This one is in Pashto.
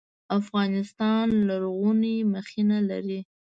افغانستان لرغوني مخینه لري